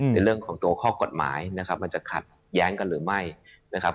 ในเรื่องของตัวข้อกฎหมายนะครับมันจะขัดแย้งกันหรือไม่นะครับ